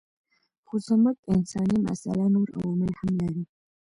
خو زموږ انساني مساله نور عوامل هم لري.